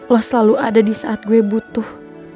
lo selalu ada disaat gue butuh